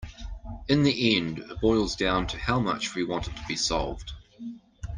In the end it boils down to how much we want it to be solved.